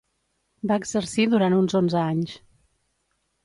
Va exercir durant uns onze anys.